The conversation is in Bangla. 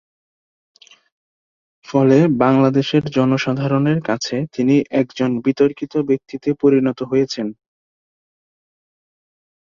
ফলে বাংলাদেশের জনসাধারনের কাছে তিনি একজন বিতর্কিত ব্যক্তিতে পরিণত হয়েছেন।